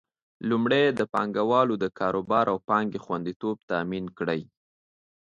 لومړی: د پانګوالو د کاروبار او پانګې خوندیتوب تامین کړي.